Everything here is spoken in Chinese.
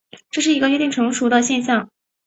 这是一个约定俗成的现像。